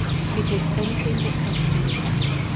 He takes anything that comes handy.